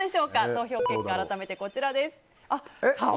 投票結果改めてこちらです。